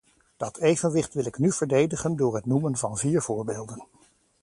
Dat evenwicht wil ik nu verdedigen door het noemen van vier voorbeelden.